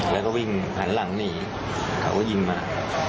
แล้วก็วิ่งหันหลังหนีเขาก็ยิงมา